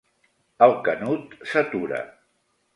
El Canut s'atura.